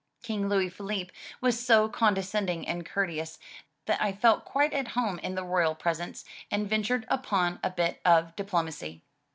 King Louis Philippe was so condescending and courteous, that I felt quite at home in the royal presence, and ventured upon a bit of diplomacy.